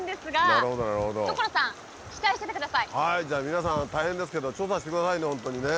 皆さん大変ですけど調査してくださいね